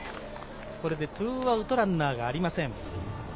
これで２アウト、ランナーがありません。